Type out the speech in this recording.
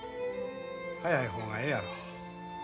早い方がええやろ。